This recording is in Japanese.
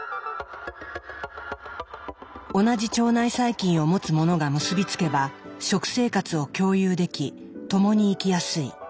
同じ腸内細菌を持つものが結び付けば食生活を共有でき共に生きやすい。